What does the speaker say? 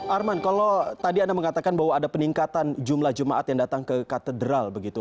arman kalau tadi anda mengatakan bahwa ada peningkatan jumlah jemaat yang datang ke katedral begitu